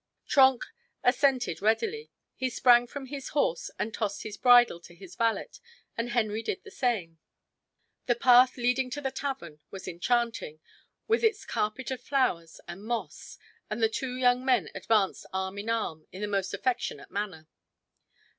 Trenck assented readily. He sprang from his horse and tossed his bridle to his valet and Henry did the same. The path leading to the tavern was enchanting, with its carpet of flowers and moss, and the two young men advanced arm in arm in the most affectionate manner.